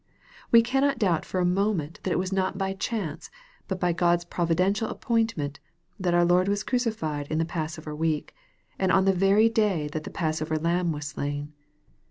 We cannot doubt for a moment that it was not by chance, but by God's provi dential appointment, that our Lord was crucified in tne passover week, and on the very day that the passovei lamb was slain.